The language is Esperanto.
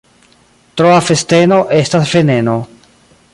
Troa festeno estas veneno.